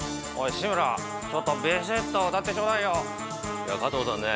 志村ちょっとビシッと歌ってちょうだいよいや加藤さんね